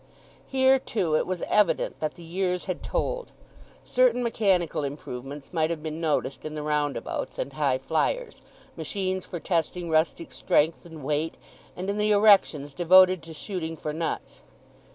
Here, too it was evident that the years had told. Certain mechanical improvements might have been noticed in the roundabouts and high fliers, machines for testing rustic strength and weight, and in the erections devoted to shooting for nuts.